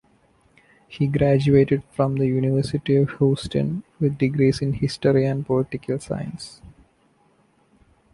He graduated from the University of Houston with degrees in history and political science.